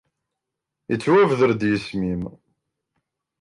Ittwabder-d yisem-im.